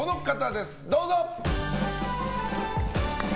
どうぞ！